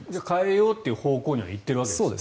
じゃあ変えようという方向にはいっているわけですね。